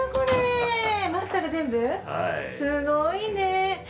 すごいね。